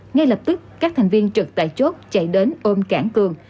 ngay lập tức các thành viên trực tại chốt chạy đến ôm cảng cường